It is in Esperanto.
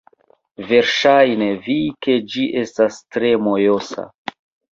Verŝajne vi ke ĝi estas tre mojosa